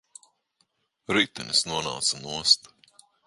Ritenis nonāca nost.